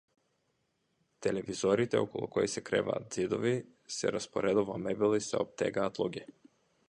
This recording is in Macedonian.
Телевизорите околу кои се креваат ѕидови, се распоредува мебел и се оптегаат луѓе.